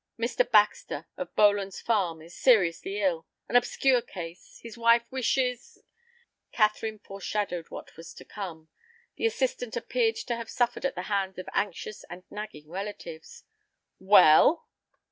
"Mr. Baxter, of Boland's Farm, is seriously ill. An obscure case. His wife wishes—" Catherine foreshadowed what was to come. The assistant appeared to have suffered at the hands of anxious and nagging relatives. "Well?"